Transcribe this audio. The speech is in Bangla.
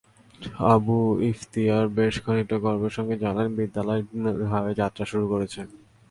আবু ইফতিয়ার বেশ খানিকটা গর্বের সঙ্গেই জানালেন, বিদ্যালয়টি নতুনভাবে যাত্রা শুরু করেছে।